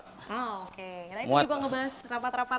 itu juga ngebahas rapat rapat